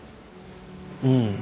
うん。